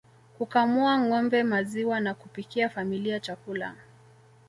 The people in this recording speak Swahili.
Kukamua ngombe maziwa na kupikia familia chakula